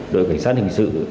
đội cảnh sát hình sự